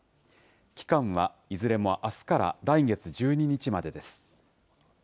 期間はいずれもあすから来月１２日までです。